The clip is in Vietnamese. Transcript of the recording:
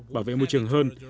bảo vệ môi trường hơn